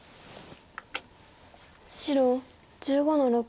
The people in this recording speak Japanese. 白１５の六。